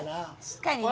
確かにね。